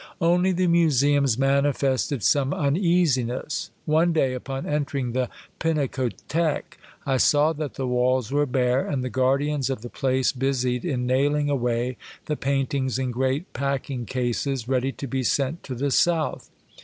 Only the museums manifested some uneasiness. One day, upon entering the Pinakothek, I saw that the walls were bare, and the guardians of the place busied in nailing away the paintings in great pack ing cases, ready to be sent to the South.